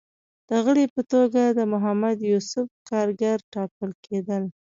د غړي په توګه د محمد یوسف کارګر ټاکل کېدل